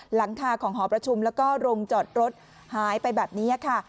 หลังคาของหอประชุมแล้วก็โรงจอดรถหายไปแบบนี้ค่ะ